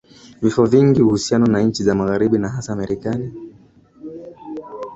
vifo vingi Uhusiano na nchi za magharibi na hasa Marekani